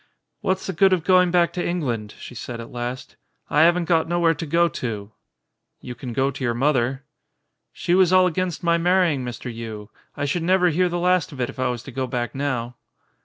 "What's the good of going back to England?" she said at last. "I 'aven't got nowhere to go to." "You can go to your mother." "She was all against my marrying Mr. Yii. I should never hear the last of it if I was to go back now."